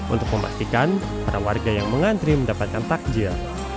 untuk memastikan para warga yang mengantri mendapatkan takjil